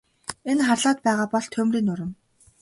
Энэ харлаад байгаа бол түймрийн нурам.